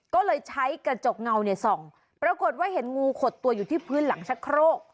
ก็เลยใช้กระจกเงาเนี่ยส่องปรากฏว่าเห็นงูขดตัวอยู่ที่พื้นหลังชะโครก